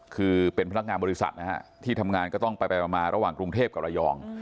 คือเป็นพนักงานบริษัทนะฮะที่ทำงานก็ต้องไปมาระหว่างกรุงเทพกับระยอง